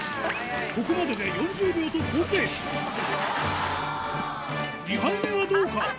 ここまでで４０秒と好ペース２杯目はどうか？